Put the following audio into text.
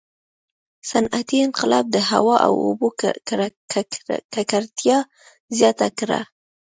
• صنعتي انقلاب د هوا او اوبو ککړتیا زیاته کړه.